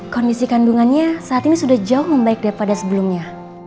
kondisi kandungannya saat ini sudah jauh membaik daripada sebelumnya